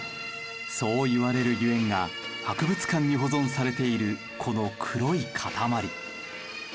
そういわれるゆえんが博物館に保存されているこの黒い塊。